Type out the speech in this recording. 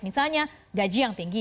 misalnya gaji yang tinggi